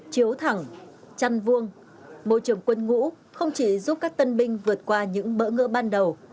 chiếu thẳng chăn vuông môi trường quân ngũ không chỉ giúp các tân binh vượt qua những bỡ ngỡ ban đầu